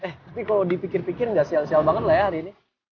eh tapi kalau dipikir pikir gak sial sial banget lah ya hari ini